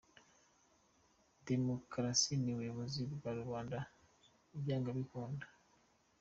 Demukarasi ni ubuyobozi bwa rubanda byanga bikunda.